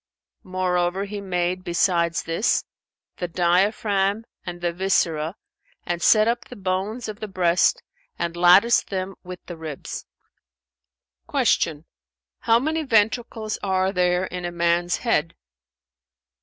Moreover, He made, besides this, the diaphragm and the viscera and set up the bones of the breast and latticed them with the ribs." Q "How many ventricles are there in a man's head?"